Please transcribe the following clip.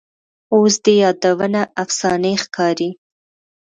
اوس دي یادونه افسانې ښکاري